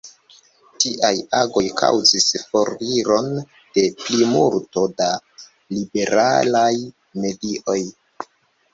Tiaj agoj kaŭzis foriron de plimulto da liberalaj medioj.